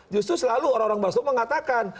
justru selalu orang orang baru baru itu mengatakan